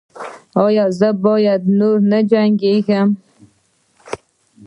ایا زه به نور نه جنګیږم؟